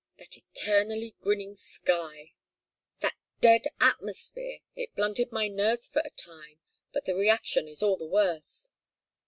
That eternally grinning sky! That dead atmosphere! It blunted my nerves for the time, but the reaction is all the worse.